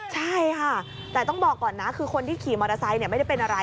ใช่ค่ะแต่ต้องบอกก่อนนะคือคนที่ขี่มอเตอร์ไซค์ไม่ได้เป็นอะไร